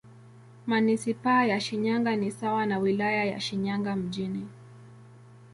Manisipaa ya Shinyanga ni sawa na Wilaya ya Shinyanga Mjini.